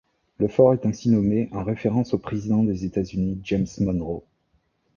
Le fort est ainsi nommé en référence au président des États-Unis James Monroe.